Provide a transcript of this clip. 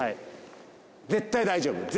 絶対大丈夫